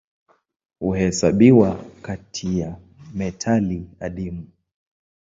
Huhesabiwa kati ya metali adimu.